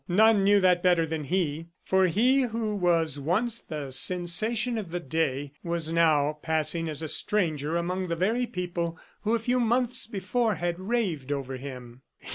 None knew that better than he, for he who was once the sensation of the day, was now passing as a stranger among the very people who a few months before had raved over him.